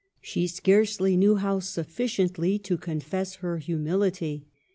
She scarcely knew how sufficiently to confess her humility.